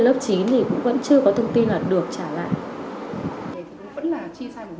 nhưng mà đến lớp chín thì cũng vẫn chưa có thông tin là được trả lại